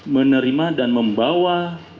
menerima dan membawa